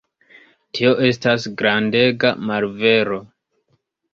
Tio estas grandega malvero.